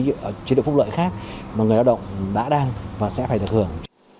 những cái chế độ phúc lợi khác mà người lao động đã đang và sẽ phải được thưởng